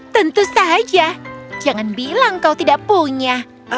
tentu saja jangan bilang kau tidak punya